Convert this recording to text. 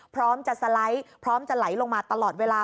พร้อมจะสไลด์พร้อมจะไหลลงมาตลอดเวลา